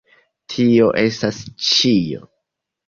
Tio estas ĉio.